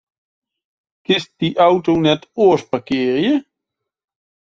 Kinst dy auto net oars parkearje?